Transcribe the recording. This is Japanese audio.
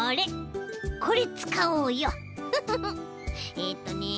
えっとね